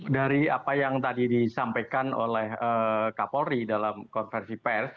dari apa yang tadi disampaikan oleh kapolri dalam konversi pers